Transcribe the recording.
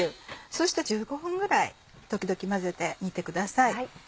そして１５分ぐらい時々混ぜて煮てください。